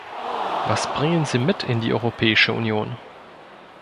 Was bringen sie mit in die Europäische Union?